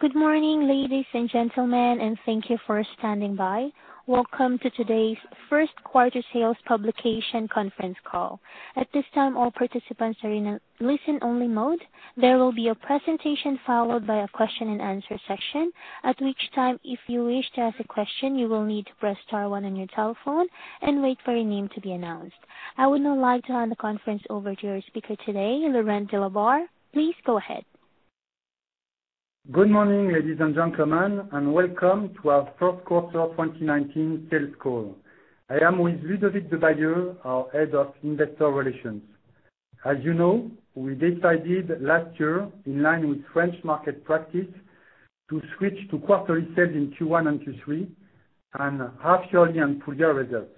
Good morning, ladies and gentlemen. Thank you for standing by. Welcome to today's first quarter sales publication conference call. At this time, all participants are in a listen-only mode. There will be a presentation followed by a question and answer session, at which time, if you wish to ask a question, you will need to press star one on your telephone and wait for your name to be announced. I would now like to hand the conference over to your speaker today, Laurent Delabarre. Please go ahead. Good morning, ladies and gentlemen. Welcome to our first quarter 2019 sales call. I am with Ludovic Debailleux, our Head of Investor Relations. As you know, we decided last year, in line with French market practice, to switch to quarterly sales in Q1 and Q3 and half-yearly and full year results.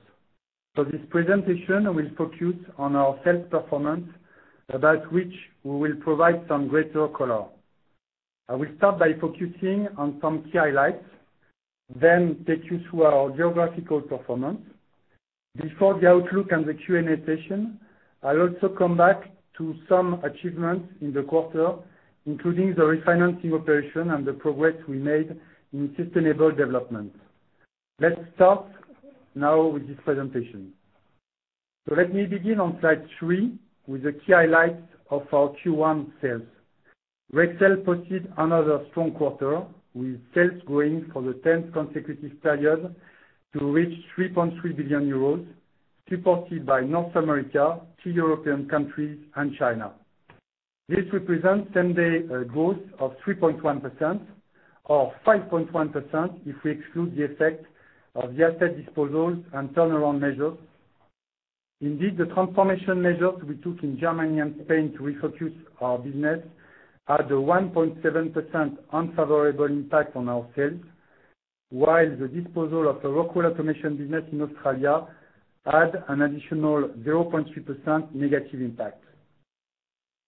This presentation will focus on our sales performance, about which we will provide some greater color. I will start by focusing on some key highlights, then take you through our geographical performance. Before the outlook and the Q&A session, I'll also come back to some achievements in the quarter, including the refinancing operation and the progress we made in sustainable development. Let's start now with this presentation. Let me begin on slide three with the key highlights of our Q1 sales. Rexel posted another strong quarter with sales growing for the 10th consecutive period to reach 3.3 billion euros supported by North America, two European countries, and China. This represents same day growth of 3.1%, or 5.1% if we exclude the effect of the asset disposals and turnaround measures. Indeed, the transformation measures we took in Germany and Spain to refocus our business had a 1.7% unfavorable impact on our sales. While the disposal of the Rockwell Automation business in Australia had an additional 0.3% negative impact.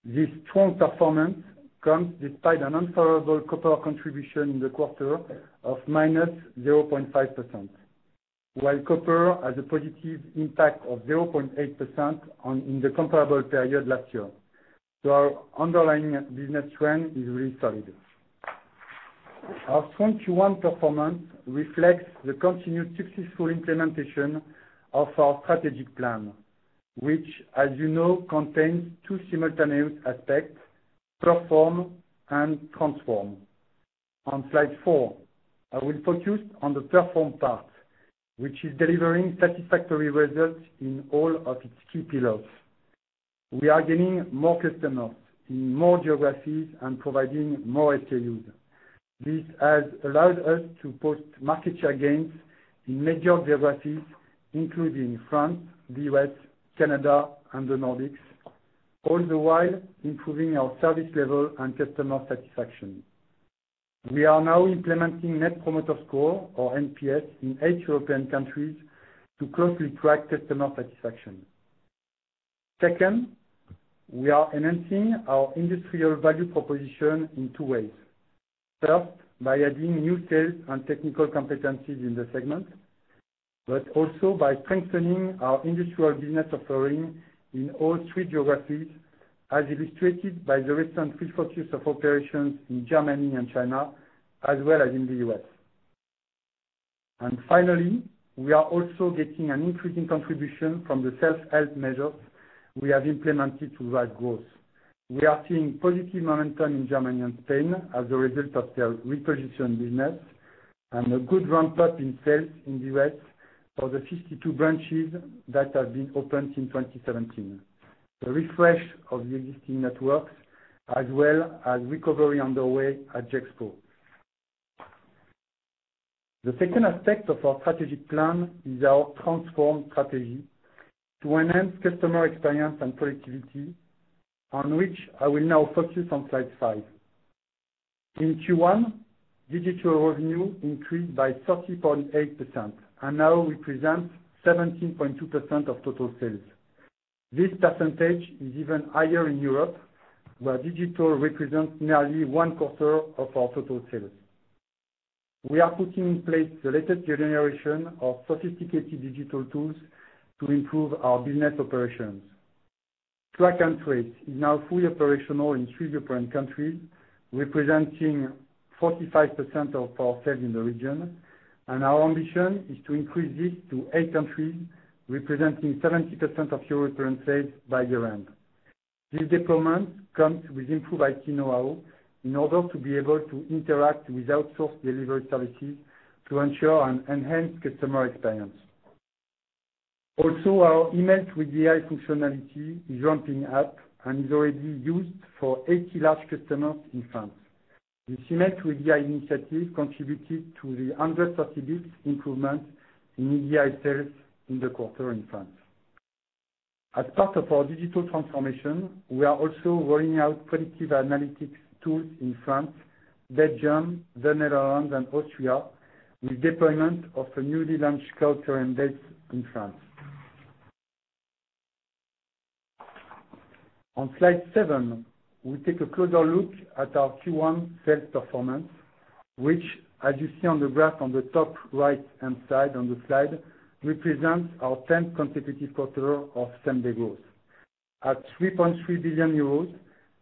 This strong performance comes despite an unfavorable copper contribution in the quarter of -0.5%, while copper had a positive impact of 0.8% in the comparable period last year. Our underlying business trend is really solid. Our strong Q1 performance reflects the continued successful implementation of our strategic plan, which, as you know, contains two simultaneous aspects, perform and transform. On slide four, I will focus on the perform part, which is delivering satisfactory results in all of its key pillars. We are gaining more customers in more geographies and providing more SKUs. This has allowed us to post market share gains in major geographies, including France, the U.S., Canada, and the Nordics, all the while improving our service level and customer satisfaction. We are now implementing Net Promoter Score, or NPS, in eight European countries to closely track customer satisfaction. Second, we are enhancing our industrial value proposition in two ways. First, by adding new sales and technical competencies in the segment, but also by strengthening our industrial business offering in all three geographies, as illustrated by the recent refocus of operations in Germany and China, as well as in the U.S. Finally, we are also getting an increasing contribution from the self-help measures we have implemented to drive growth. We are seeing positive momentum in Germany and Spain as a result of their repositioned business and a good ramp-up in sales in the U.S. for the 52 branches that have been opened since 2017. The refresh of the existing networks as well as recovery underway at Gexpro. The second aspect of our strategic plan is our transform strategy to enhance customer experience and productivity, on which I will now focus on slide five. In Q1, digital revenue increased by 30.8% and now represents 17.2% of total sales. This percentage is even higher in Europe, where digital represents nearly one quarter of our total sales. We are putting in place the latest generation of sophisticated digital tools to improve our business operations. Track and trace is now fully operational in three different countries, representing 45% of our sales in the region, and our ambition is to increase this to eight countries, representing 70% of European sales by year-end. This deployment comes with improved IT know-how in order to be able to interact with outsourced delivery services to ensure an enhanced customer experience. Also, our email-to-EDI functionality is ramping up and is already used for 80 large customers in France. This email-to-EDI initiative contributed to the 130 basis points improvement in EDI sales in the quarter in France. As part of our digital transformation, we are also rolling out predictive analytics tools in France, Belgium, the Netherlands, and Austria with deployment of the newly launched Culture Index in France. On slide seven, we take a closer look at our Q1 sales performance, which, as you see on the graph on the top right-hand side on the slide, represents our 10th consecutive quarter of same day growth. At 3.3 billion euros,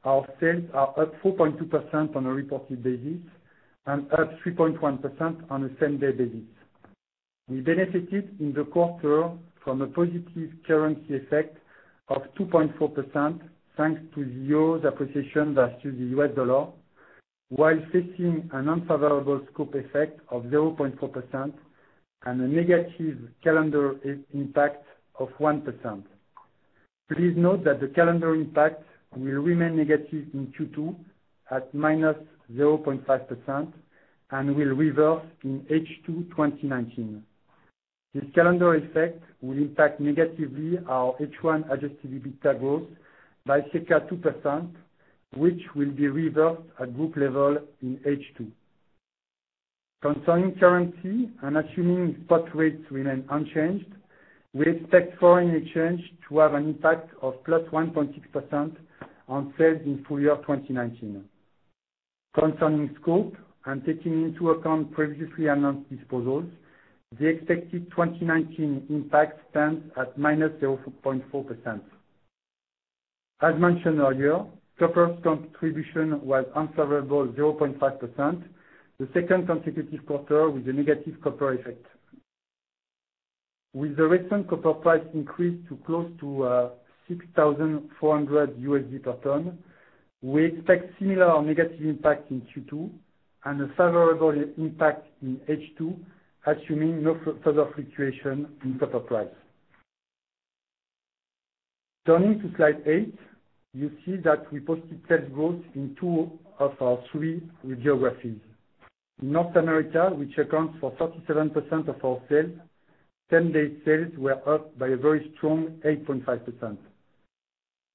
our sales are up 4.2% on a reported basis and up 3.1% on a same day basis. We benefited in the quarter from a positive currency effect of 2.4%, thanks to the euro's appreciation versus the U.S. dollar, while facing an unfavorable scope effect of 0.4% and a negative calendar impact of 1%. Please note that the calendar impact will remain negative in Q2 at -0.5% and will reverse in H2 2019. This calendar effect will impact negatively our H1 adjusted EBITDA growth by circa 2%, which will be reversed at group level in H2. Concerning currency and assuming spot rates remain unchanged, we expect foreign exchange to have an impact of +1.6% on sales in full year 2019. Concerning scope and taking into account previously announced disposals, the expected 2019 impact stands at -0.4%. As mentioned earlier, copper's contribution was unfavorable 0.5%, the second consecutive quarter with a negative copper effect. With the recent copper price increase to close to 6,400 USD per ton, we expect similar negative impact in Q2 and a favorable impact in H2, assuming no further fluctuation in copper price. Turning to slide eight, you see that we posted sales growth in two of our three geographies. In North America, which accounts for 37% of our sales, same day sales were up by a very strong 8.5%.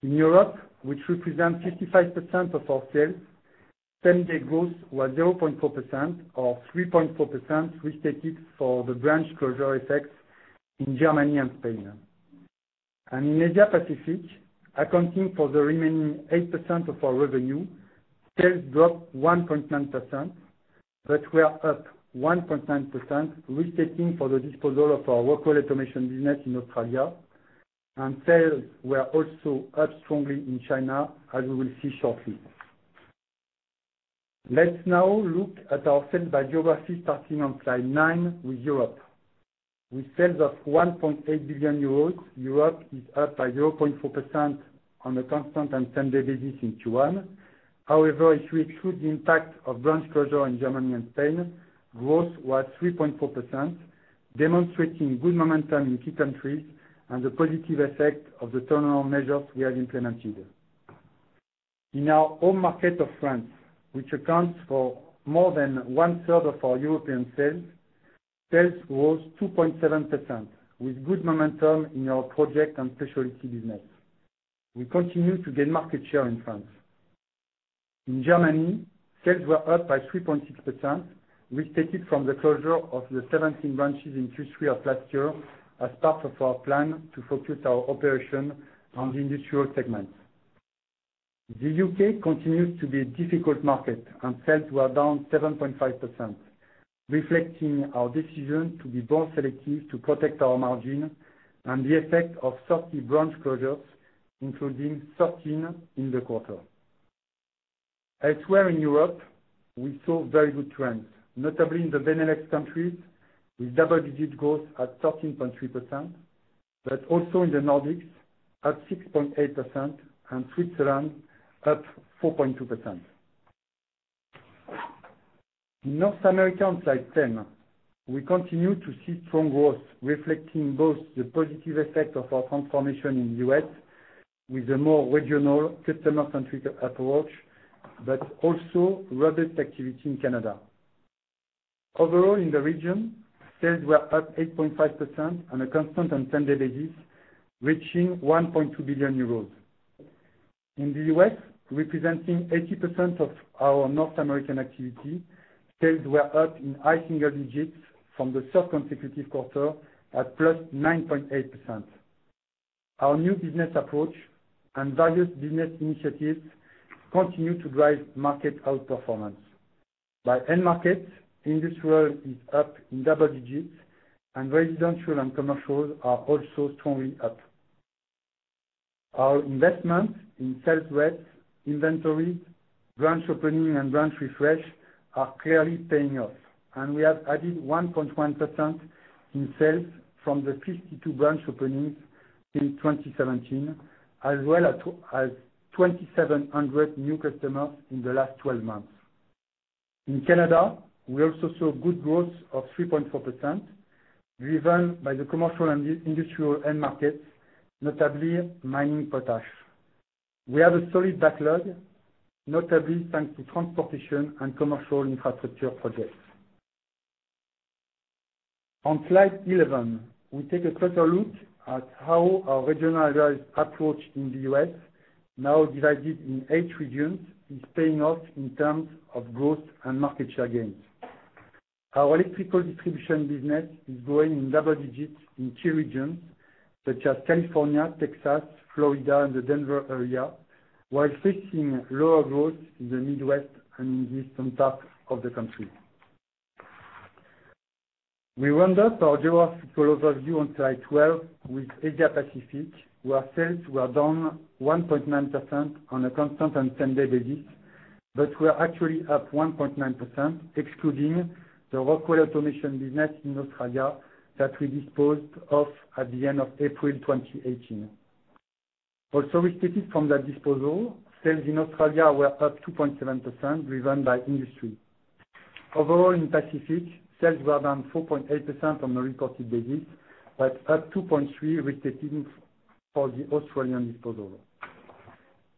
In Europe, which represents 55% of our sales, same day growth was 0.4% or 3.4% restated for the branch closure effects in Germany and Spain. In Asia Pacific, accounting for the remaining 8% of our revenue, sales dropped 1.9%, but were up 1.9% restating for the disposal of our local automation business in Australia. Sales were also up strongly in China, as we will see shortly. Let's now look at our sales by geography, starting on slide nine with Europe. With sales of 1.8 billion euros, Europe is up by 0.4% on a constant and same day basis in Q1. However, if we exclude the impact of branch closure in Germany and Spain, growth was 3.4%, demonstrating good momentum in key countries and the positive effect of the turnaround measures we have implemented. In our home market of France, which accounts for more than one third of our European sales rose 2.7%, with good momentum in our project and specialty business. We continue to gain market share in France. In Germany, sales were up by 3.6%, restated from the closure of the 17 branches in Q3 of last year as part of our plan to focus our operation on the industrial segment. The U.K. continues to be a difficult market. Sales were down 7.5%, reflecting our decision to be more selective to protect our margin and the effect of 30 branch closures, including 13 in the quarter. Elsewhere in Europe, we saw very good trends, notably in the Benelux countries, with double-digit growth at 13.3%, but also in the Nordics at 6.8% and Switzerland up 4.2%. In North America on slide 10, we continue to see strong growth, reflecting both the positive effect of our transformation in the U.S. with a more regional customer-centric approach. Also robust activity in Canada. Overall, in the region, sales were up 8.5% on a constant and same day basis, reaching 1.2 billion euros. In the U.S., representing 80% of our North American activity, sales were up in high single digits from the third consecutive quarter at +9.8%. Our new business approach and various business initiatives continue to drive market outperformance. By end market, industrial is up in double digits. Residential and commercials are also strongly up. Our investment in sales reps, inventory, branch opening, and branch refresh are clearly paying off. We have added 1.1% in sales from the 52 branch openings in 2017, as well as 2,700 new customers in the last 12 months. In Canada, we also saw good growth of 3.4%, driven by the commercial and industrial end markets, notably mining potash. We have a solid backlog, notably thanks to transportation and commercial infrastructure projects. On slide 11, we take a closer look at how our regionalized approach in the U.S., now divided in 8 regions, is paying off in terms of growth and market share gains. Our electrical distribution business is growing in double digits in key regions such as California, Texas, Florida, the Denver area, while facing lower growth in the Midwest and in the eastern part of the country. We round up our geographic overview on slide 12 with Asia Pacific, where sales were down 1.9% on a constant and same day basis, but we're actually up 1.9%, excluding the Rockwell Automation business in Australia that we disposed of at the end of April 2018. Also restated from that disposal, sales in Australia were up 2.7%, driven by industry. Overall, in Pacific, sales were down 4.8% on a reported basis, but up 2.3% restated for the Australian disposal.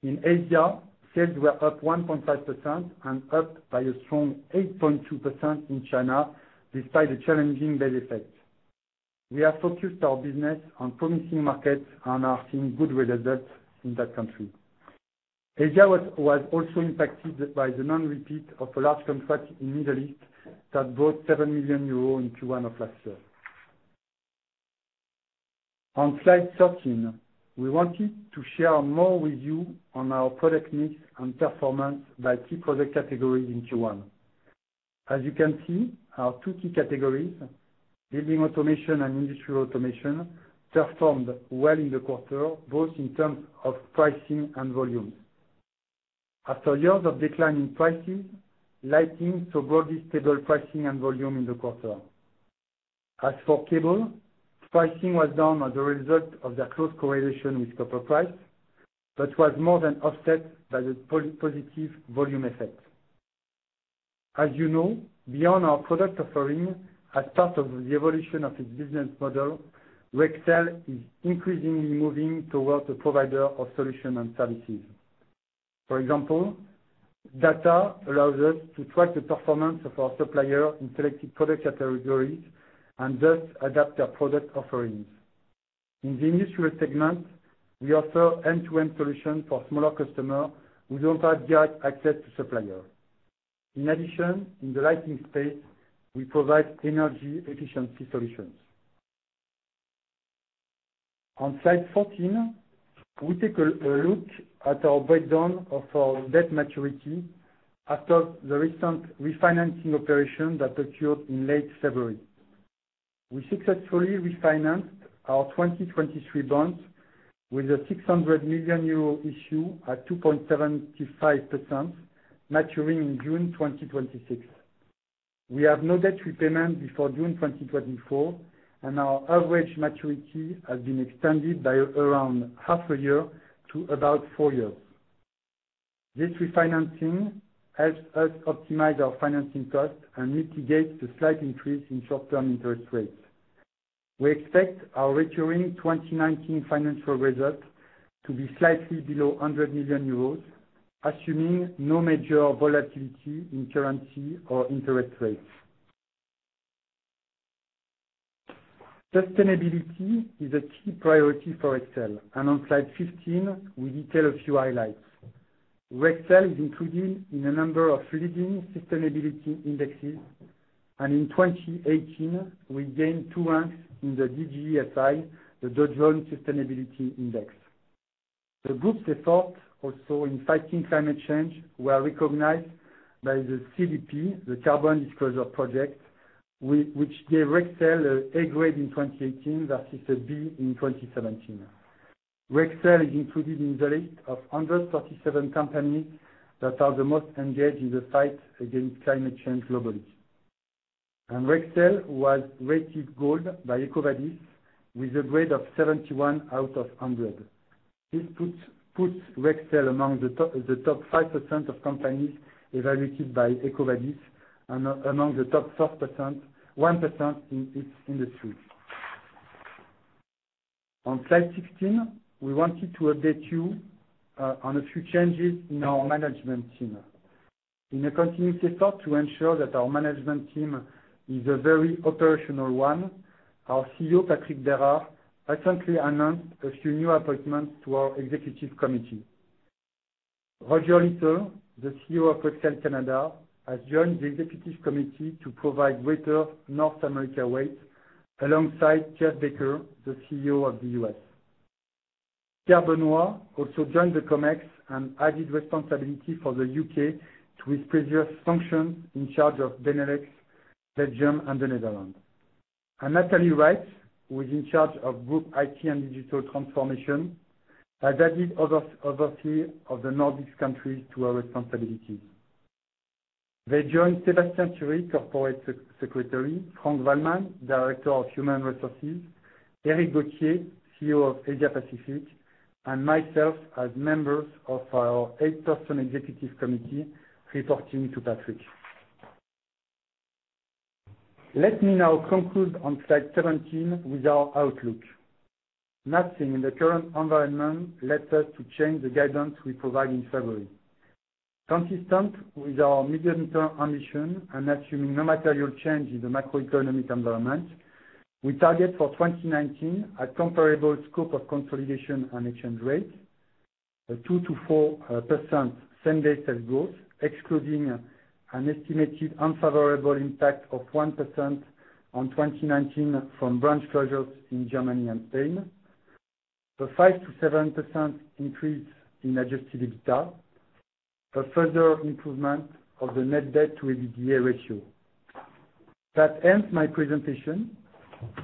In Asia, sales were up 1.5% and up by a strong 8.2% in China, despite the challenging base effect. We have focused our business on promising markets and are seeing good results in that country. Asia was also impacted by the non-repeat of a large contract in Middle East that brought 7 million euros in Q1 of last year. On slide 13, we wanted to share more with you on our product mix and performance by key product categories in Q1. As you can see, our two key categories, building automation and industrial automation, performed well in the quarter, both in terms of pricing and volume. After years of decline in pricing, lighting saw broadly stable pricing and volume in the quarter. As for cable, pricing was down as a result of their close correlation with copper price, but was more than offset by the positive volume effect. As you know, beyond our product offering, as part of the evolution of its business model, Rexel is increasingly moving towards a provider of solution and services. For example, data allows us to track the performance of our supplier in selected product categories and thus adapt our product offerings. In the industrial segment, we offer end-to-end solutions for smaller customers who don't have direct access to suppliers. In addition, in the lighting space, we provide energy efficiency solutions. On slide 14, we take a look at our breakdown of our debt maturity after the recent refinancing operation that occurred in late February. We successfully refinanced our 2023 bonds with a 600 million euro issue at 2.75%, maturing in June 2026. We have no debt repayment before June 2024, and our average maturity has been extended by around half a year to about four years. This refinancing helps us optimize our financing cost and mitigate the slight increase in short-term interest rates. We expect our recurring 2019 financial results to be slightly below 100 million euros, assuming no major volatility in currency or interest rates. Sustainability is a key priority for Rexel, and on slide 15, we detail a few highlights. Rexel is included in a number of leading sustainability indexes, and in 2018, we gained two ranks in the DJSI, the Dow Jones Sustainability Index. The group's effort also in fighting climate change were recognized by the CDP, the Carbon Disclosure Project, which gave Rexel an A grade in 2018 versus a B in 2017. Rexel is included in the list of 137 companies that are the most engaged in the fight against climate change globally. Rexel was rated gold by EcoVadis, with a grade of 71 out of 100. This puts Rexel among the top 5% of companies evaluated by EcoVadis and among the top 1% in its industry. On slide 16, we wanted to update you on a few changes in our management team. In a continued effort to ensure that our management team is a very operational one, our CEO, Patrick Berard, recently announced a few new appointments to our executive committee. Roger Little, the CEO of Rexel Canada, has joined the Executive Committee to provide greater North America weight alongside Jeff Baker, the CEO of the U.S. Pierre Benoit also joined the Comex and added responsibility for the U.K. to his previous function in charge of Benelux, Belgium, and the Netherlands. Nathalie Wright, who is in charge of Group IT and Digital Transformation, has added oversee of the Nordics countries to her responsibilities. They join Sébastien Thierry, Corporate Secretary, Frank Waldmann, Director of Human Resources, Eric Gauthier, CEO of Asia Pacific, and myself as members of our eight-person Executive Committee reporting to Patrick. Let me now conclude on slide 17 with our outlook. Nothing in the current environment led us to change the guidance we provide in February. Consistent with our medium-term ambition and assuming no material change in the macroeconomic environment, we target for 2019 a comparable scope of consolidation and exchange rate, a 2%-4% same day sales growth, excluding an estimated unfavorable impact of 1% on 2019 from branch closures in Germany and Spain. A 5%-7% increase in adjusted EBITDA. A further improvement of the net debt to EBITDA ratio. That ends my presentation.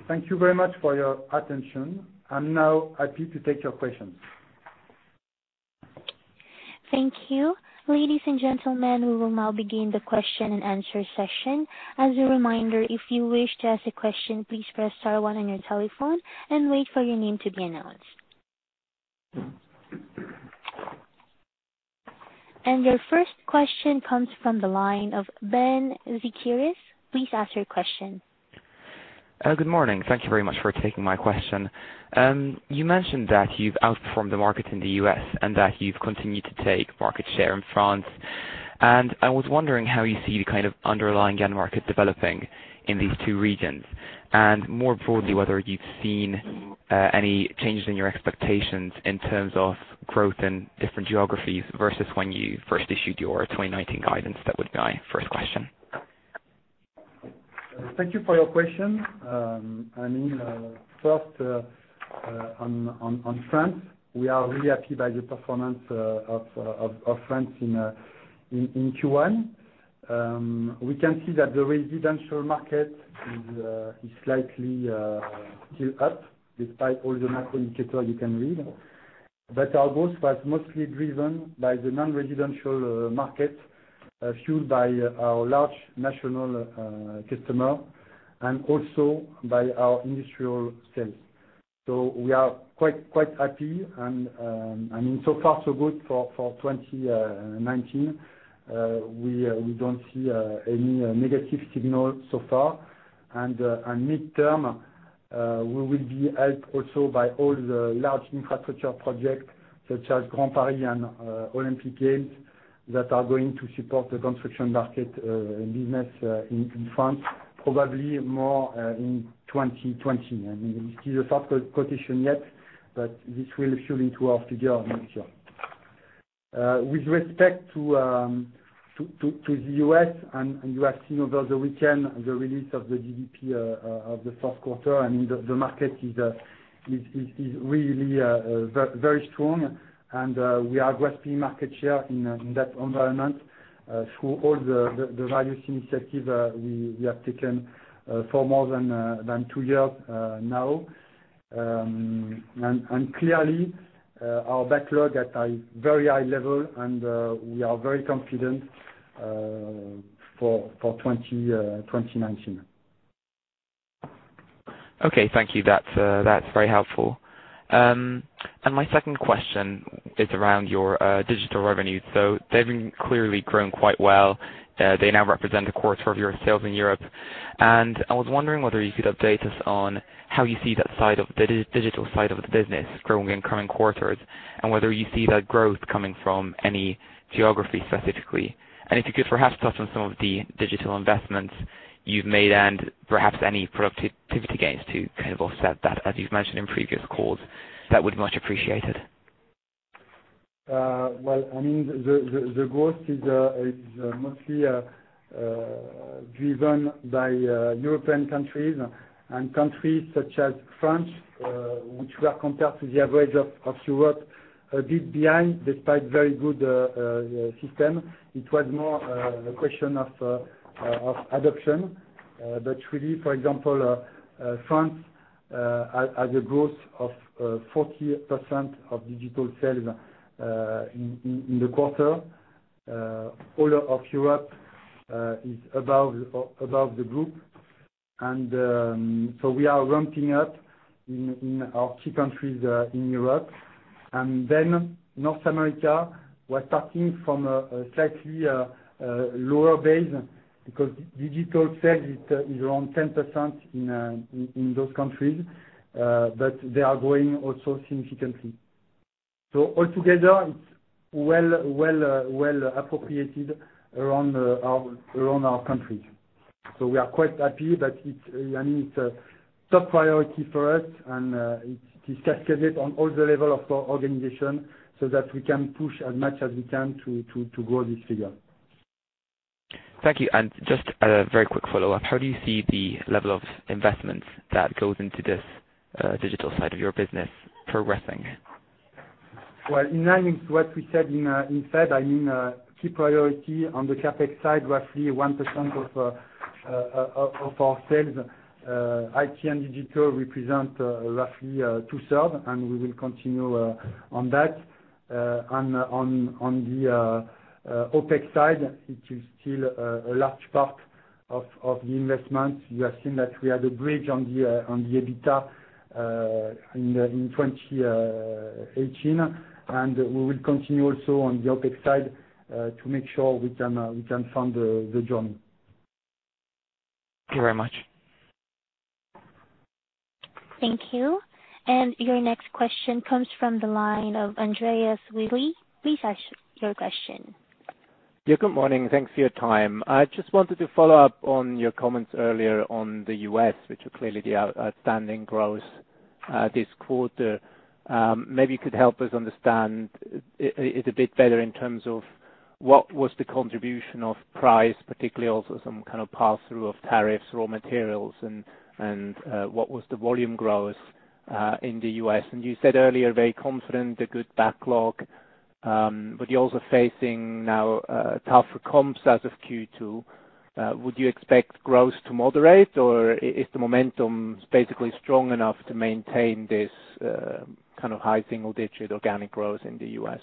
Thank you very much for your attention. I'm now happy to take your questions. Thank you. Ladies and gentlemen, we will now begin the question and answer session. As a reminder, if you wish to ask a question, please press star one on your telephone and wait for your name to be announced. Your first question comes from the line of [Ben Zekiris. Please ask your question. Good morning. Thank you very much for taking my question. You mentioned that you've outperformed the market in the U.S. and that you've continued to take market share in France. I was wondering how you see the kind of underlying end market developing in these two regions, and more broadly, whether you've seen any changes in your expectations in terms of growth in different geographies versus when you first issued your 2019 guidance. That would be my first question. Thank you for your question. First, on France. We are really happy by the performance of France in Q1. We can see that the residential market is slightly still up despite all the macro indicator you can read. Our growth was mostly driven by the non-residential market, fueled by our large national customer and also by our industrial sales. We are quite happy and so far so good for 2019. We don't see any negative signal so far. Midterm, we will be helped also by all the large infrastructure project such as Grand Paris and Olympic Games that are going to support the construction market and business in France, probably more in 2020. It is a soft quotation yet, this will show into our figure next year. With respect to the U.S., you have seen over the weekend the release of the GDP of the fourth quarter, the market is really very strong, and we are grasping market share in that environment through all the various initiatives we have taken for more than 2 years now. Clearly, our backlog at a very high level, and we are very confident for 2019. Okay. Thank you. That's very helpful. My second question is around your digital revenue. They've been clearly growing quite well. They now represent a quarter of your sales in Europe, and I was wondering whether you could update us on how you see the digital side of the business growing in coming quarters, and whether you see that growth coming from any geography specifically. If you could perhaps touch on some of the digital investments you've made and perhaps any productivity gains to kind of offset that, as you've mentioned in previous calls, that would be much appreciated. Well, the growth is mostly driven by European countries and countries such as France, which were compared to the average of Europe a bit behind despite very good system. It was more a question of adoption. Really, for example, France has a growth of 40% of digital sales in the quarter. Whole of Europe is above the group. We are ramping up in our key countries in Europe. North America, we're starting from a slightly lower base because digital sales is around 10% in those countries, but they are growing also significantly. All together, it's well appropriated around our countries. We are quite happy that it's a top priority for us, and it cascaded on all the level of our organization so that we can push as much as we can to grow this figure. Thank you. Just a very quick follow-up. How do you see the level of investments that goes into this digital side of your business progressing? Well, in line with what we said. I mean, key priority on the CapEx side, roughly 1% of our sales. IT and digital represent roughly two-third, we will continue on that. On the OpEx side, it is still a large part of the investment. You have seen that we had a bridge on the EBITDA in 2018, we will continue also on the OpEx side to make sure we can fund the journey. Thank you very much. Thank you. Your next question comes from the line of Andre Kukhnin. Please ask your question. Good morning. Thanks for your time. I just wanted to follow up on your comments earlier on the U.S., which were clearly the outstanding growth this quarter. Maybe you could help us understand it a bit better in terms of what was the contribution of price, particularly also some kind of pass-through of tariffs, raw materials, and what was the volume growth in the U.S.? You said earlier, very confident, a good backlog, but you are also facing now tougher comps as of Q2. Would you expect growth to moderate, or is the momentum basically strong enough to maintain this kind of high single-digit organic growth in the U.S.?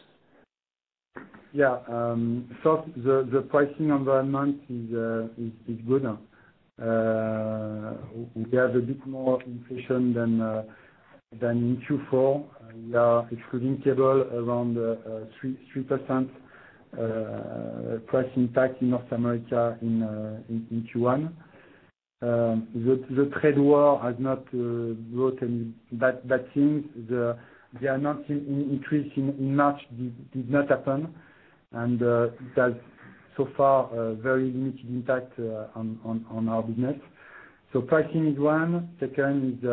First, the pricing environment is good. We have a bit more inflation than in Q4. We are excluding cable around 3% price impact in North America in Q1. The trade war has not brought any bad things. The increase in March did not happen, and it has so far a very limited impact on our business. Pricing is one. Second is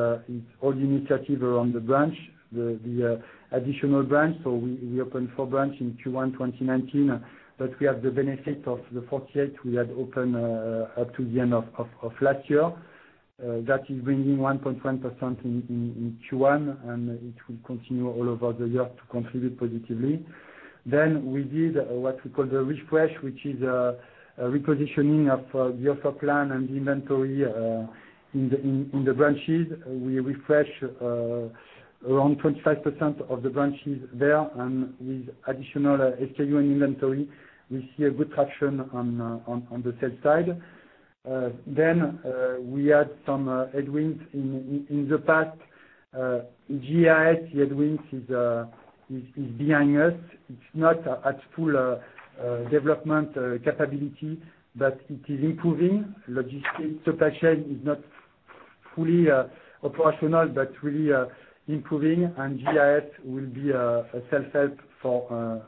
all the initiatives around the branch, the additional branch. We opened four branches in Q1 2019, but we have the benefit of the 48 we had opened up to the end of last year. That is bringing 1.1% in Q1, and it will continue all over the year to contribute positively. We did what we call the refresh, which is a repositioning of the offer plan and inventory in the branches. We refresh around 25% of the branches there, and with additional SKU and inventory, we see a good traction on the sales side. We had some headwinds in the past. GIS, the headwinds is behind us. It is not at full development capability, but it is improving. Logistic supply chain is not fully operational but really improving, and GIS will be a self-help for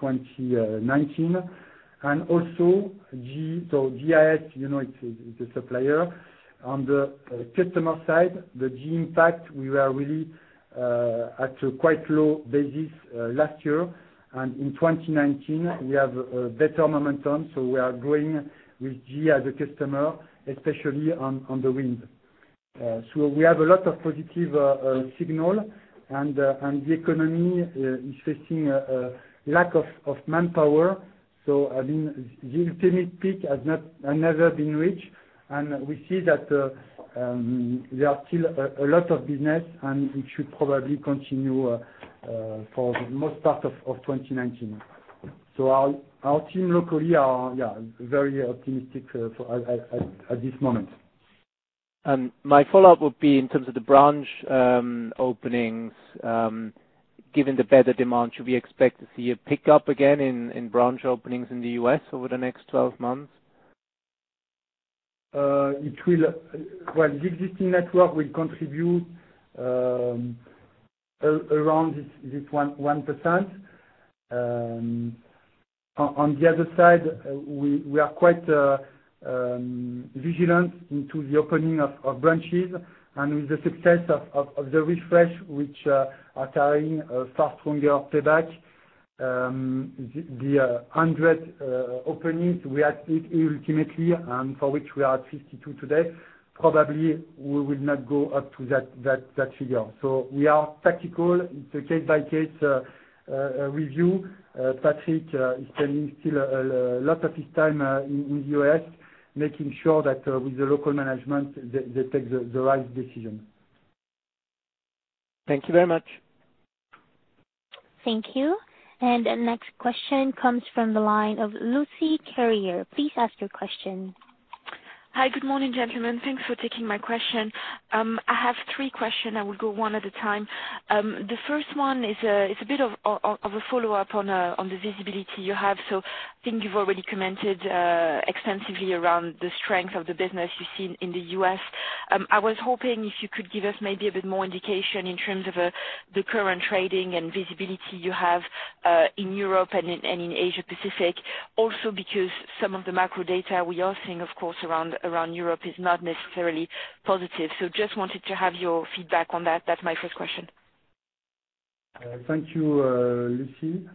2019. Also, GIS, it is a supplier. On the customer side, the GE impact, we were really at a quite low basis last year. In 2019, we have a better momentum. We are growing with GE as a customer, especially on the wind. We have a lot of positive signal, and the economy is facing a lack of manpower. The ultimate peak has never been reached, and we see that there are still a lot of business, and it should probably continue for the most part of 2019. Our team locally are very optimistic at this moment. My follow-up would be in terms of the branch openings. Given the better demand, should we expect to see a pickup again in branch openings in the U.S. over the next 12 months? The existing network will contribute around this 1%. On the other side, we are quite vigilant into the opening of branches and with the success of the refresh, which are carrying a far stronger payback. The 100 openings, we are ultimately, and for which we are at 52 today, probably we will not go up to that figure. We are tactical. It's a case-by-case review. Patrick is spending still a lot of his time in the U.S. making sure that with the local management, they take the right decision. Thank you very much. Thank you. The next question comes from the line of Lucie Carrier. Please ask your question. Hi. Good morning, gentlemen. Thanks for taking my question. I have three questions. I will go one at a time. The first one is a bit of a follow-up on the visibility you have. I think you've already commented extensively around the strength of the business you've seen in the U.S. I was hoping if you could give us maybe a bit more indication in terms of the current trading and visibility you have in Europe and in Asia Pacific. Also because some of the macro data we are seeing, of course, around Europe is not necessarily positive. Just wanted to have your feedback on that. That's my first question. Thank you, Lucie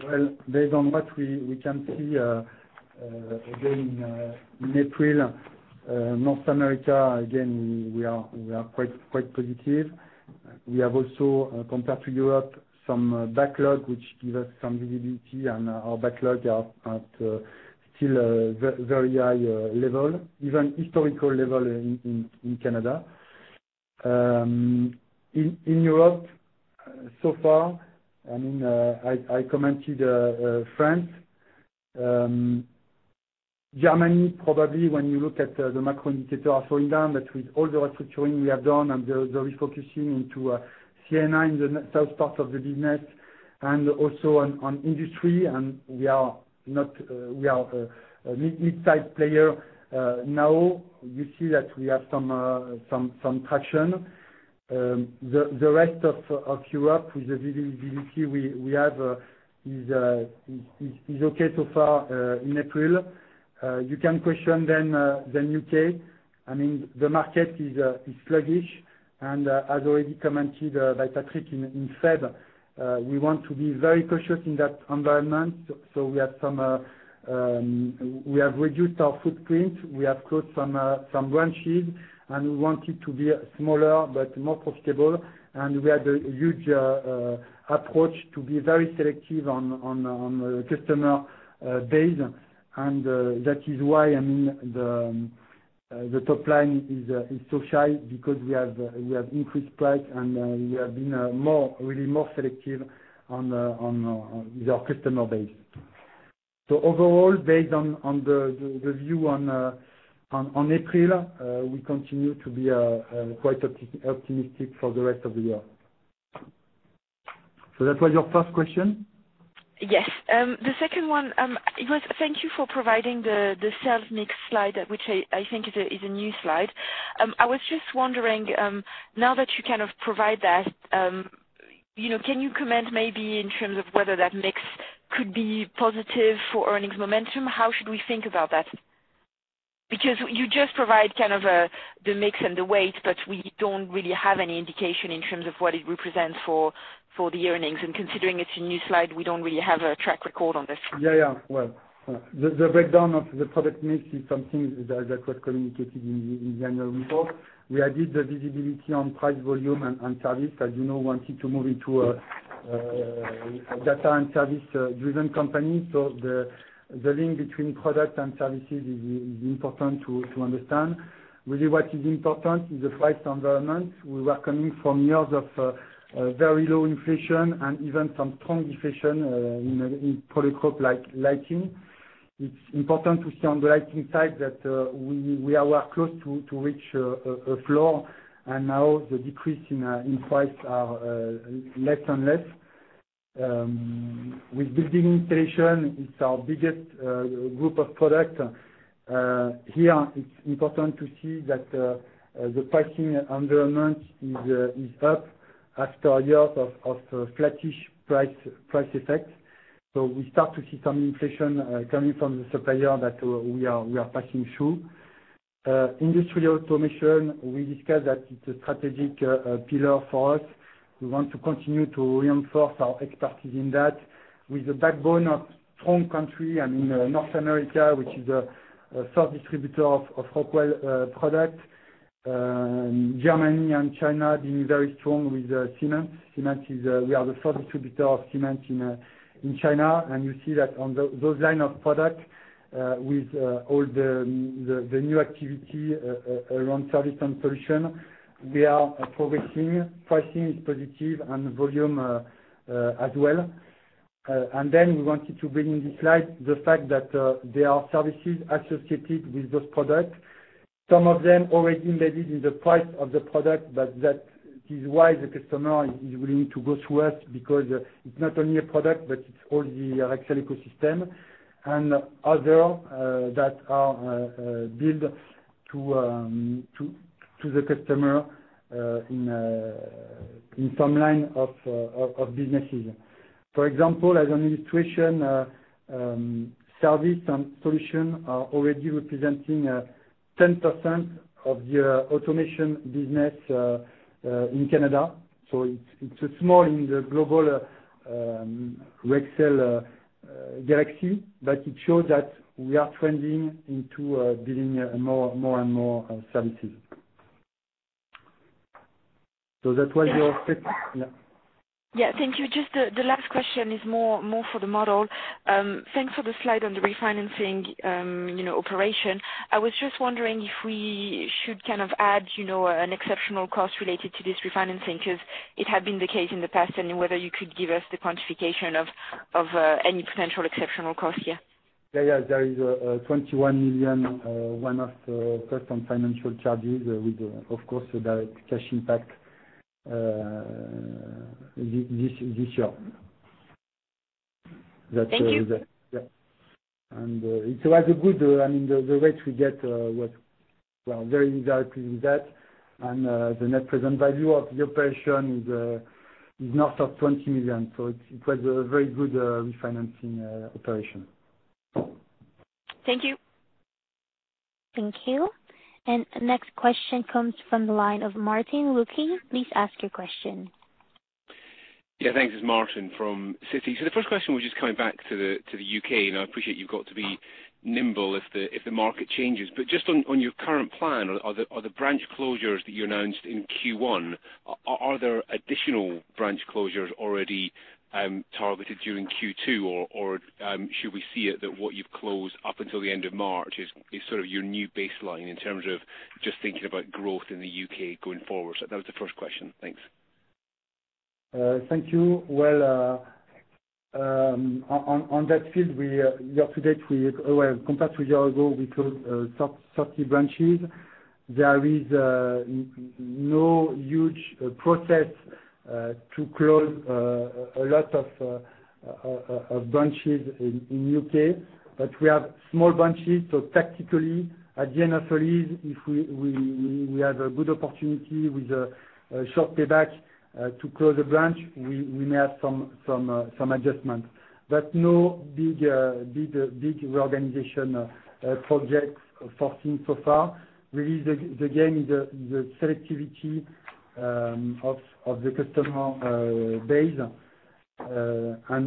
Carrier. Based on what we can see again in April, North America, again, we are quite positive. We have also, compared to Europe, some backlog, which give us some visibility, and our backlog are at still a very high level, even historical level in Canada. In Europe, so far, I commented France. Germany probably when you look at the macro indicators are slowing down. With all the restructuring we have done and the refocusing into Sienna in the south part of the business and also on industry, we are a mid-size player now. You see that we have some traction. The rest of Europe with the visibility we have is okay so far in April. You can question U.K., the market is sluggish, and as already commented by Patrick Berard in February, we want to be very cautious in that environment. We have reduced our footprint, we have closed some branches, and we wanted to be smaller but more profitable. We had a huge approach to be very selective on the customer base. That is why the top line is so shy because we have increased price, and we have been really more selective on our customer base. Overall, based on the view on April, we continue to be quite optimistic for the rest of the year. That was your first question? Yes. The second one, thank you for providing the sales mix slide, which I think is a new slide. I was just wondering, now that you kind of provide that, can you comment maybe in terms of whether that mix could be positive for earnings momentum? How should we think about that? Because you just provide kind of the mix and the weight, but we don't really have any indication in terms of what it represents for the earnings. Considering it's a new slide, we don't really have a track record on this. Well, the breakdown of the product mix is something that was communicated in the annual report. We added the visibility on price, volume, and service. As you know, we wanted to move into a data and service-driven company. The link between product and services is important to understand. Really what is important is the price environment. We were coming from years of very low inflation and even some strong deflation in product group like lighting. It's important to see on the lighting side that we are close to reach a floor, and now the decrease in price are less and less. With building installation, it's our biggest group of products. Here, it's important to see that the pricing environment is up after years of flattish price effect. We start to see some inflation coming from the supplier that we are passing through. Industrial automation, we discussed that it's a strategic pillar for us. We want to continue to reinforce our expertise in that. With the backbone of strong country, I mean, North America, which is a third distributor of Rockwell product. Germany and China being very strong with Siemens. We are the third distributor of Siemens in China. You see that on those line of products, with all the new activity around service and solution, we are progressing. Pricing is positive and volume as well. We wanted to bring in this slide the fact that there are services associated with those products. Some of them already embedded in the price of the product, but that is why the customer is willing to go through us, because it's not only a product, but it's all the Rexel ecosystem, and other that are billed to the customer in some line of businesses. For example, as an illustration, service and solution are already representing 10% of the automation business in Canada. It's small in the global Rexel galaxy, but it shows that we are trending into building more and more services. That was your second- Yeah. Yeah. Thank you. Just the last question is more for the model. Thanks for the slide on the refinancing operation. I was just wondering if we should kind of add an exceptional cost related to this refinancing, because it had been the case in the past, and whether you could give us the quantification of any potential exceptional cost here. Yeah. There is a 21 million one-off cost on financial charges with, of course, a direct cash impact this year. Thank you. Yeah. It was good. I mean, the rates we get was very exactly with that. The net present value of the operation is north of 20 million. It was a very good refinancing operation. Thank you. Thank you. Next question comes from the line of Martin Wilkie. Please ask your question. Thanks. It's Martin from Citi. The first question was just coming back to the U.K., I appreciate you've got to be nimble if the market changes. Just on your current plan, on the branch closures that you announced in Q1, are there additional branch closures already targeted during Q2? Should we see it that what you've closed up until the end of March is sort of your new baseline in terms of just thinking about growth in the U.K. going forward? That was the first question. Thanks. Thank you. On that field, year-to-date, compared to a year ago, we closed 30 branches. There is no huge process to close a lot of branches in U.K. We have small branches, so tactically, at the end of the lease, if we have a good opportunity with a short payback to close a branch, we may have some adjustments. No big reorganization projects foreseen so far. The game is the selectivity of the customer base.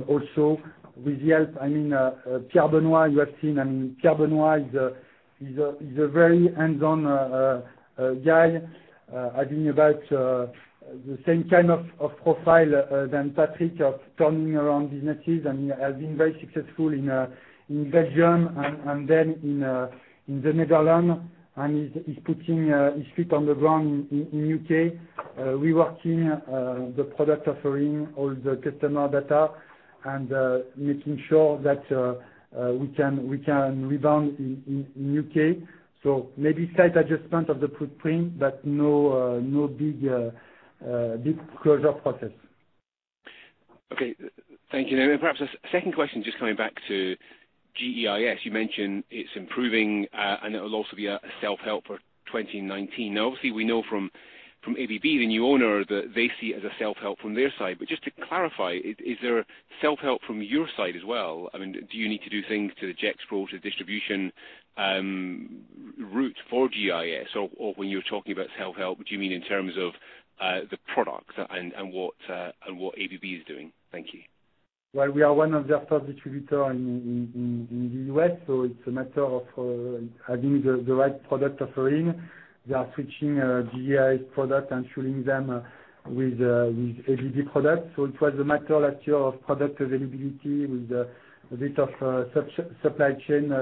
Also with the help, Pierre Benoit, you have seen, Pierre Benoit is a very hands-on guy, having about the same kind of profile than Patrick of turning around businesses and has been very successful in Belgium and then in the Netherlands. He's putting his feet on the ground in U.K., reworking the product offering, all the customer data, and making sure that we can rebound in U.K. Maybe slight adjustment of the footprint, no big closure process. Okay. Thank you. Perhaps a second question, just coming back to GEIS. You mentioned it's improving, and it will also be a self-help for 2019. Now, obviously we know from ABB, the new owner, that they see it as a self-help from their side. Just to clarify, is there a self-help from your side as well? Do you need to do things to the Gexpro, to the distribution route for GEIS? When you're talking about self-help, do you mean in terms of the products and what ABB is doing? Thank you. Well, we are one of their top distributor in the U.S. It's a matter of having the right product offering. They are switching GEIS product and filling them with ABB product. It was a matter last year of product availability with a bit of supply chain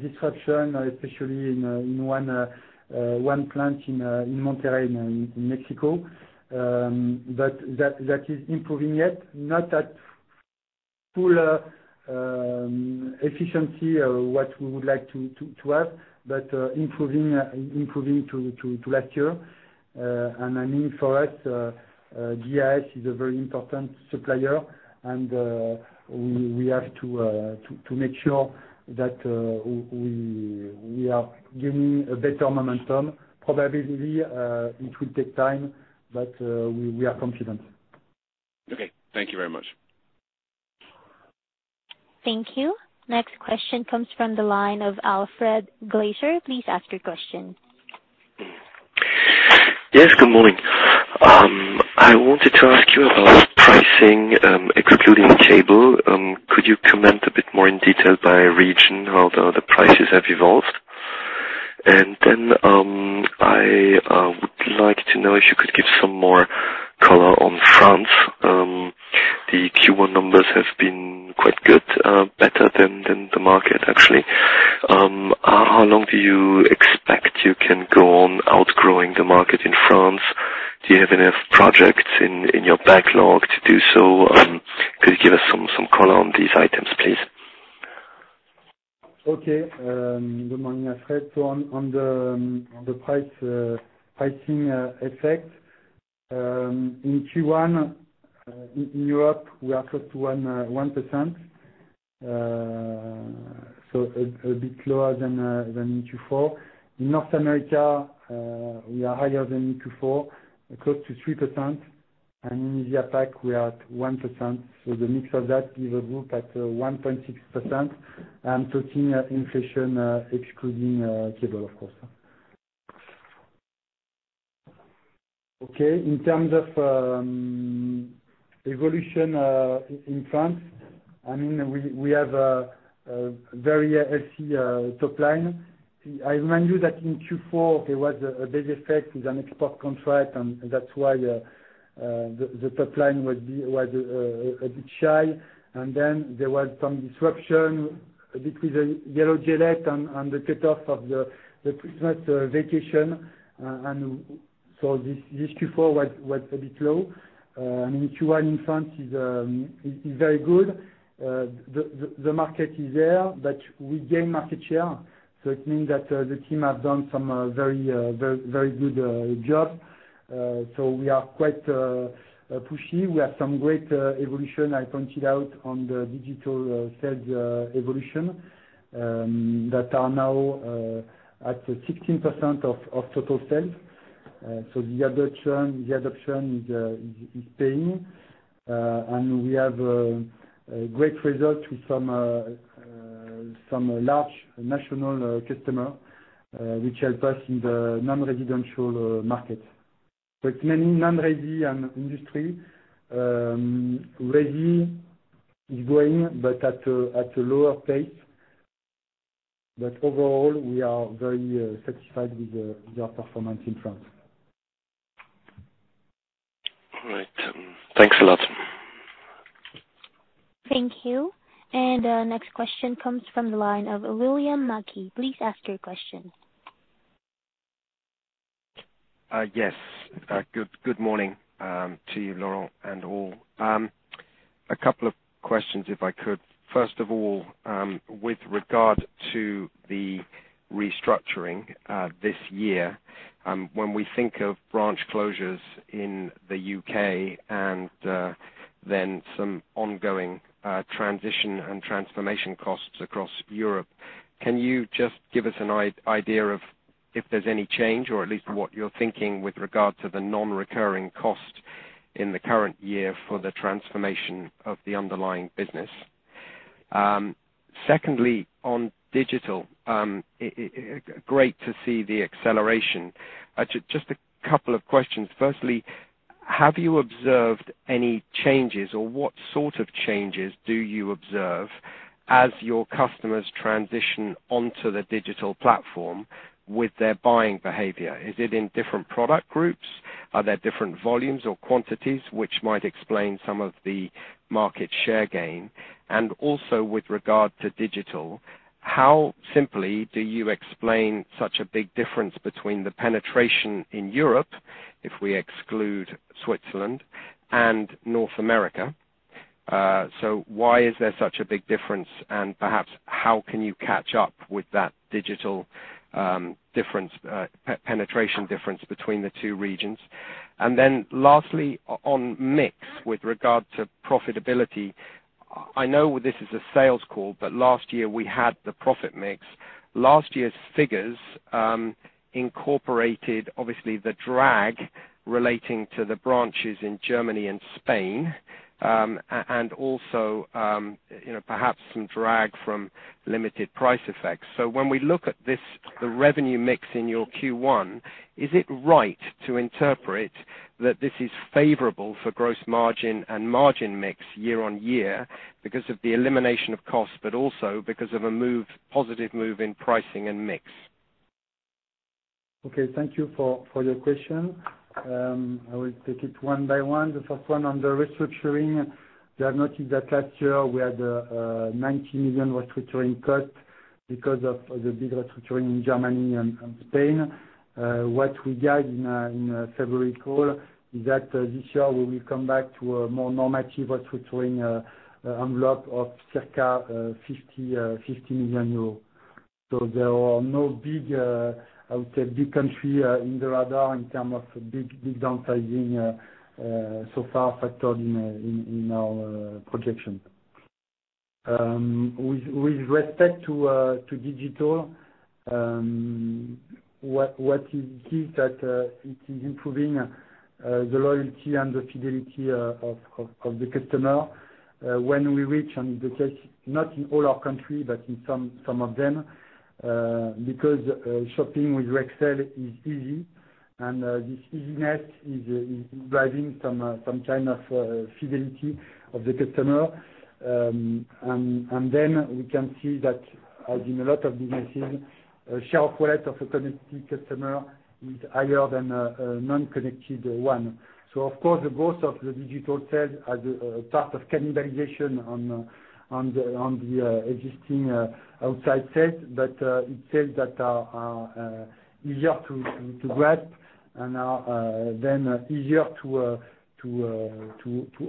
disruption, especially in one plant in Monterrey in Mexico. That is improving yet, not at full efficiency or what we would like to have, but improving to last year. I mean for us, GEIS is a very important supplier, and we have to make sure that we are giving a better momentum. Probably, it will take time, but we are confident. Okay. Thank you very much. Thank you. Next question comes from the line of Alfred Glaser. Please ask your question. Yes, good morning. I wanted to ask you about pricing, excluding cable. Could you comment a bit more in detail by region how the prices have evolved? I would like to know if you could give some more color on France. The Q1 numbers have been quite good, better than the market, actually. How long do you expect you can go on outgrowing the market in France? Do you have enough projects in your backlog to do so? Could you give us some color on these items, please? Good morning, Alfred. On the pricing effect, in Q1, in Europe, we are close to 1%, a bit lower than in Q4. In North America, we are higher than in Q4, close to 3%. In Asia Pac, we are at 1%. The mix of that give a group at 1.6%. I'm talking inflation, excluding cable, of course. In terms of evolution in France, we have a very healthy top line. I remind you that in Q4, there was a big effect with an export contract, and that's why the top line was a bit shy. There was some disruption, a bit with the gilets jaunes and the cutoff of the Christmas vacation. This Q4 was a bit low. Q1 in France is very good. The market is there, but we gain market share. It means that the team has done some very good job. We are quite pushy. We have some great evolution. I pointed out on the digital sales evolution, that are now at 16% of total sales. The adoption is paying. We have a great result with some large national customer, which help us in the non-residential market. It's mainly non-resi and industry. Resi is growing but at a lower pace. Overall, we are very satisfied with their performance in France. All right. Thanks a lot Thank you. Next question comes from the line of William Mackie. Please ask your question. Yes. Good morning to you, Laurent, and all. A couple of questions, if I could. First of all, with regard to the restructuring this year, when we think of branch closures in the U.K. and then some ongoing transition and transformation costs across Europe, can you just give us an idea of if there's any change or at least what you're thinking with regard to the non-recurring cost in the current year for the transformation of the underlying business? Secondly, on digital, great to see the acceleration. Just a couple of questions. Firstly, have you observed any changes or what sort of changes do you observe as your customers transition onto the digital platform with their buying behavior? Is it in different product groups? Are there different volumes or quantities which might explain some of the market share gain? Also with regard to digital, how simply do you explain such a big difference between the penetration in Europe, if we exclude Switzerland and North America? Why is there such a big difference? Perhaps how can you catch up with that digital penetration difference between the two regions? Lastly, on mix with regard to profitability, I know this is a sales call, but last year we had the profit mix. Last year's figures incorporated obviously the drag relating to the branches in Germany and Spain, and also perhaps some drag from limited price effects. When we look at this, the revenue mix in your Q1, is it right to interpret that this is favorable for gross margin and margin mix year-over-year because of the elimination of cost, but also because of a positive move in pricing and mix? Okay. Thank you for your question. I will take it one by one. The first one on the restructuring, you have noticed that last year we had 90 million restructuring cost because of the big restructuring in Germany and Spain. What we guide in February call is that this year we will come back to a more normative restructuring envelope of circa 50 million euros. There are no big, I would say, big country in the radar in terms of big downsizing so far factored in our projection. With respect to digital, what is key is that it is improving the loyalty and the fidelity of the customer. When we reach, and in the case, not in all our country, but in some of them, because shopping with Rexel is easy. This easiness is driving some kind of fidelity of the customer. We can see that as in a lot of businesses, share of wallet of a connected customer is higher than a non-connected one. Of course, the growth of the digital sales has a part of cannibalization on the existing outside sales, but it sales that are easier to grab and are then easier to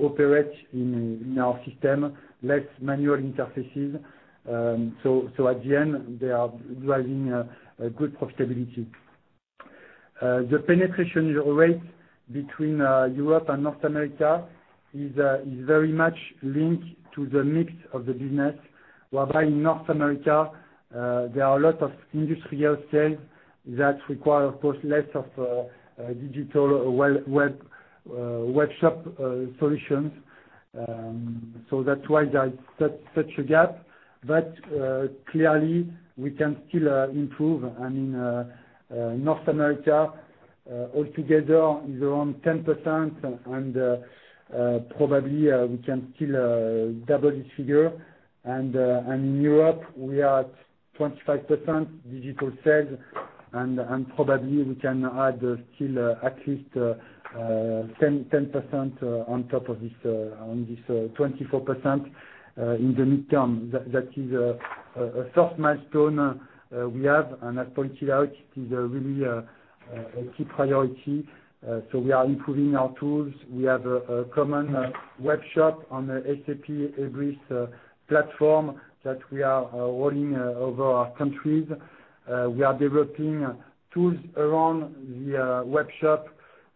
operate in our system, less manual interfaces. At the end, they are driving a good profitability. The penetration rate between Europe and North America is very much linked to the mix of the business, whereby in North America, there are a lot of industrial sales that require, of course, less of digital web shop solutions. That is why there is such a gap. Clearly, we can still improve. In North America, all together is around 10%, and probably we can still double this figure. In Europe, we are at 25% digital sales, and probably we can add still at least 10% on top of this 24% in the midterm. That is a first milestone we have, and as pointed out, it is really a key priority. We are improving our tools. We have a common web shop on the SAP ABAP platform that we are rolling over our countries. We are developing tools around the web shop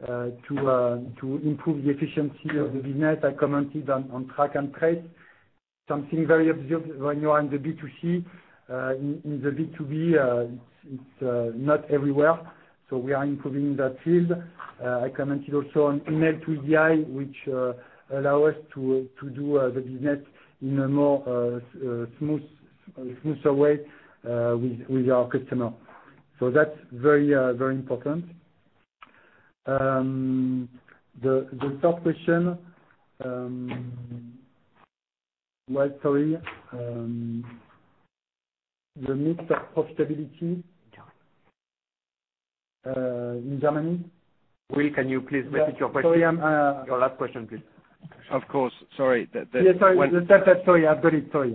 to improve the efficiency of the business. I commented on track and trace, something very observed when you are in the B2C. In the B2B, it is not everywhere. We are improving that field. I commented also on email-to-EDI, which allow us to do the business in a more smoother way with our customer. The third question. The mix of profitability In Germany? Will, can you please repeat your question? Your last question, please. Of course. Sorry. Yes, sorry. Sorry, I've got it. Sorry.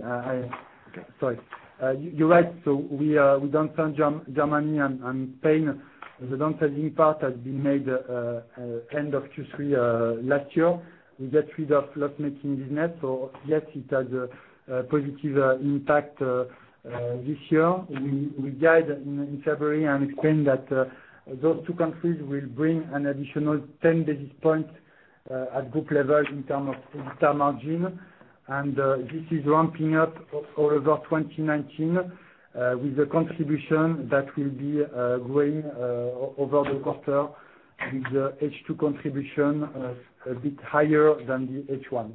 Okay. You're right. We don't sell Germany and Spain. The downsizing part has been made end of Q3 last year. We get rid of loss-making business, yes, it has a positive impact this year. We guide in February and explain that those two countries will bring an additional 10 basis points at group level in term of EBITDA margin. This is ramping up all over 2019, with the contribution that will be growing over the quarter, with the H2 contribution a bit higher than the H1.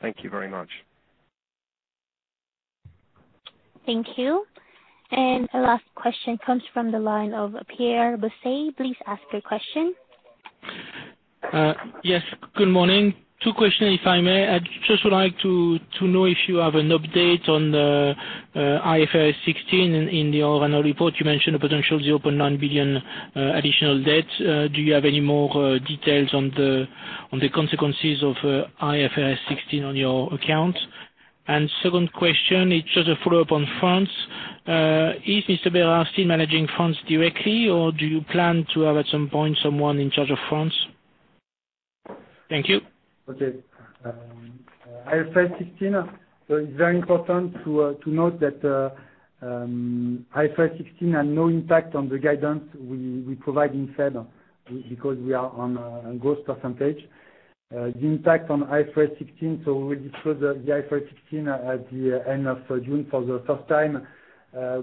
Thank you very much. Thank you. Our last question comes from the line of Pierre Bosset. Please ask your question. Yes, good morning. Two questions, if I may. I just would like to know if you have an update on the IFRS 16. In your annual report, you mentioned a potential 0.9 billion additional debt. Do you have any more details on the consequences of IFRS 16 on your account? Second question, it's just a follow-up on France. Is Patrick Berard still managing France directly, or do you plan to have, at some point, someone in charge of France? Thank you. Okay. IFRS 16, it's very important to note that IFRS 16 had no impact on the guidance we provide in February, because we are on gross percentage. The impact on IFRS 16, we discuss the IFRS 16 at the end of June for the first time,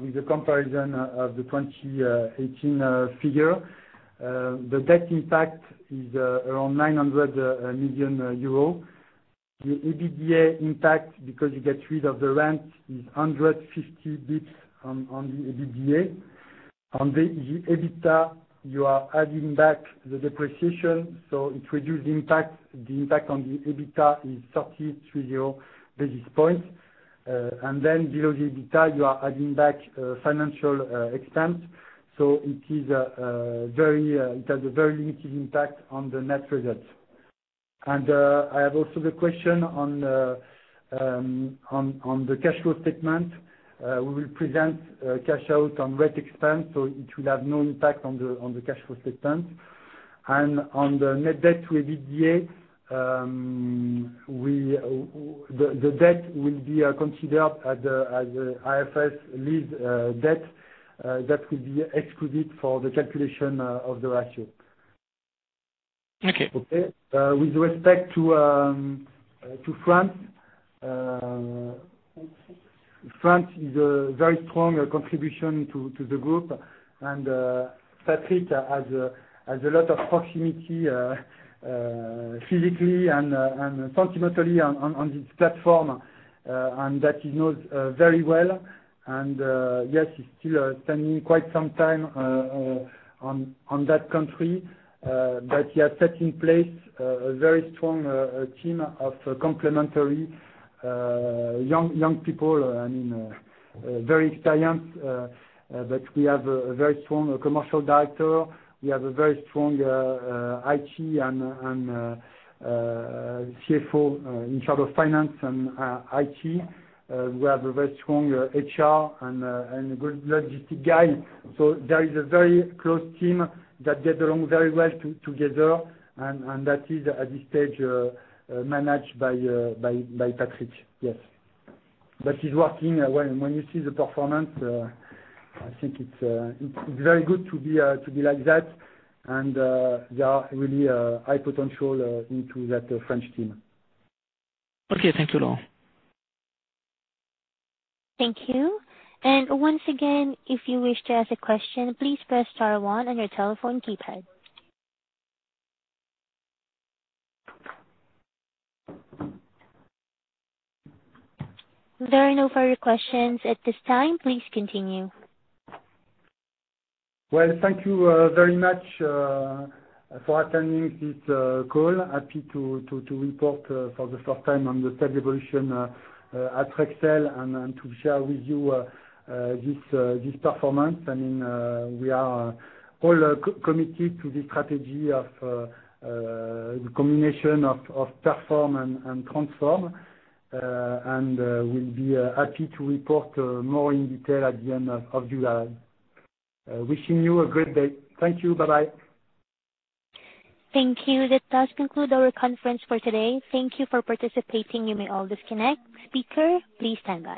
with the comparison of the 2018 figure. The debt impact is around 900 million euro. The EBITDA impact, because you get rid of the rent, is 150 basis points on the EBITDA. On the EBITA, you are adding back the depreciation, it reduce impact. The impact on the EBITA is 33 basis points. Then below the EBITA, you are adding back financial expense. It has a very limited impact on the net results. I have also the question on the cash flow statement. We will present cash out on rate expense, it will have no impact on the cash flow statement. On the net debt to EBITDA, the debt will be considered as IFRS lease debt. That will be excluded for the calculation of the ratio. Okay. Okay. With respect to France is a very strong contribution to the group, and Patrick has a lot of proximity physically and sentimentally on this platform, that he knows very well. Yes, he's still spending quite some time on that country. He has set in place a very strong team of complementary young people, very experienced. We have a very strong commercial director. We have a very strong IT and CFO in charge of finance and IT. We have a very strong HR and a good logistic guy. There is a very close team that get along very well together, and that is, at this stage, managed by Patrick. Yes. He's working. When you see the performance, I think it's very good to be like that. There are really a high potential into that French team. Okay. Thank you, Laurent. Thank you. Once again, if you wish to ask a question, please press star one on your telephone keypad. There are no further questions at this time. Please continue. Well, thank you very much for attending this call. Happy to report for the first time on the third evolution at Rexel and to share with you this performance. We are all committed to this strategy of the combination of perform and transform. We'll be happy to report more in detail at the end of July. Wishing you a great day. Thank you. Bye-bye. Thank you. That does conclude our conference for today. Thank you for participating. You may all disconnect. Speaker, please stand by.